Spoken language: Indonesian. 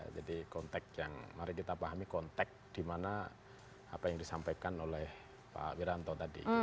jadi kontek yang mari kita pahami kontek di mana apa yang disampaikan oleh pak wiranto tadi